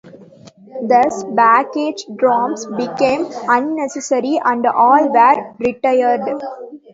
Thus, baggage-dorms became unnecessary, and all were retired.